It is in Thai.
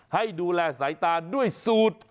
ให้ดูแลสายตาด้วยสูตร